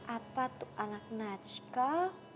apa tuh anak nackal